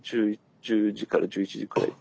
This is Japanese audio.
１０時から１１時くらいって。